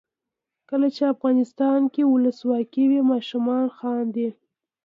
کله چې افغانستان کې ولسواکي وي ماشومان خاندي.